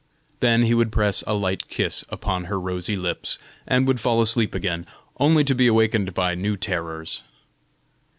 Then he would press a light kiss upon her rosy lips, and would fall asleep again only to be awakened by new terrors.